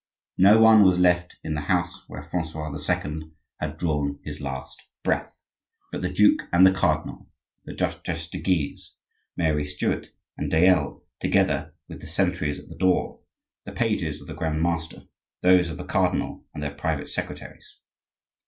No one was left in the house where Francois II. had drawn his last breath, but the duke and the cardinal, the Duchesse de Guise, Mary Stuart, and Dayelle, together with the sentries at the door, the pages of the Grand master, those of the cardinal, and their private secretaries.